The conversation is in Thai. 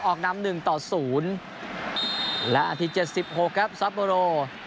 ออกน้ำหนึ่งต่อ๐และนัดที่๗๖ครับซาโพโร